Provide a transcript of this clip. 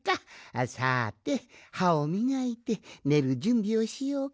さてはをみがいてねるじゅんびをしようかの。